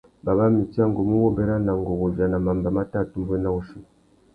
Baba, mitsa, ngu mù wô bérana ngu wô udjana mamba mà tà atumbéwena wussi.